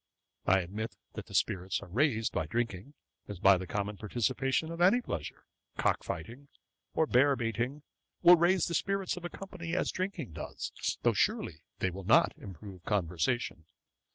I admit that the spirits are raised by drinking, as by the common participation of any pleasure: cock fighting, or bear baiting, will raise the spirits of a company, as drinking does, though surely they will not improve conversation.